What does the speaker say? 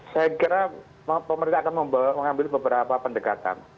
saya kira pemerintah akan mengambil beberapa pendekatan